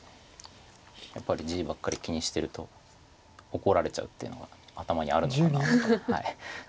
やっぱり地ばっかり気にしてると怒られちゃうっていうのが頭にあるのかな。